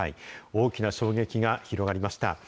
大きな衝撃が広がりました。